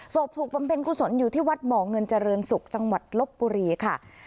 ถูกบำเพ็ญกุศลอยู่ที่วัดบ่อเงินเจริญศุกร์จังหวัดลบบุรีค่ะ